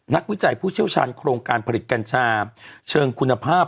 วิจัยผู้เชี่ยวชาญโครงการผลิตกัญชาเชิงคุณภาพ